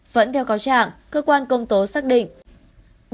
vẫn theo cáo trạng cơ quan công tố xác định